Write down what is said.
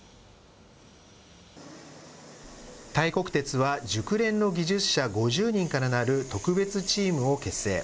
タイ国鉄は、熟練の技術者５０人からなる特別チームを結成。